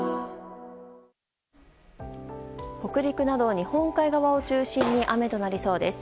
北陸など日本海側を中心に雨となりそうです。